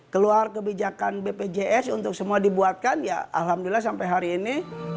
keluar kebijakan bpjs untuk semua dibuatkan ya alhamdulillah sampai hari ini